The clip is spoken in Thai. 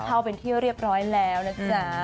เข้าเป็นที่เรียบร้อยแล้วนะจ๊ะ